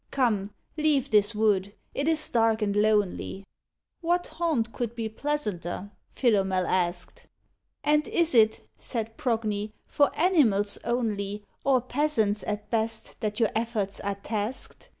Come, leave this wood; it is dark and lonely." "What haunt could be pleasanter?" Philomel asked. "And is it," said Progne, "for animals only, Or peasants at best, that your efforts are tasked?